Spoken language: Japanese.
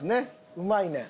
うまいねん。